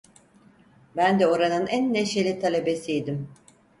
Ben de oranın en neşeli talebesiydim…